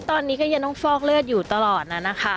ตอนนี้ก็ยังต้องฟอกเลือดอยู่ตลอดนะนะคะ